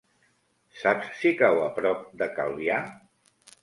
Saps si cau a prop de Calvià?